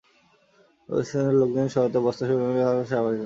Police স্থানীয় লোকজনের সহায়তায় বস্তা সরিয়ে দিলে যান চলাচল স্বাভাবিক হয়।